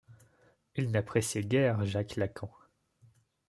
Il n'appréciait guère Jacques Lacan.